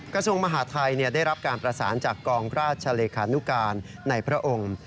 กระทรวงมหาทัยได้รับการประสานจากกองราชเลขานุการในพระองค์